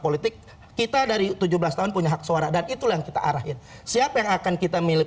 politik kita dari tujuh belas tahun punya hak suara dan itulah yang kita arahin siapa yang akan kita milik